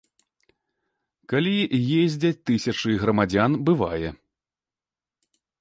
Калі ездзяць тысячы грамадзян, бывае.